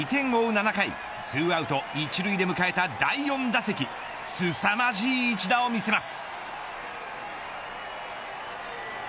７回２アウト１塁で迎えた第４打席すさまじい一打を見せます。